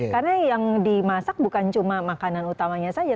karena yang dimasak bukan cuma makanan utamanya saja